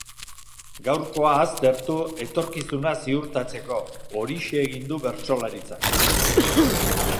Gaurkoa aztertu etorkizuna ziurtatzeko, horixe egin du bertsolaritzak.